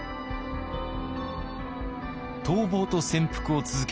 逃亡と潜伏を続ける長英。